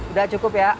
udah cukup ya